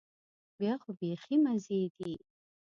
بیا خو بيخي مزې دي.